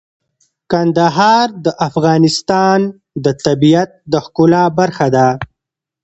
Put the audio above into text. کندهار د افغانستان د طبیعت د ښکلا برخه ده.